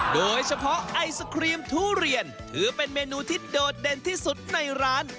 โดยเฉพาะไอศครีมทุเรียนถือเป็นเมนูที่โดดเด่นที่สุดในร้าน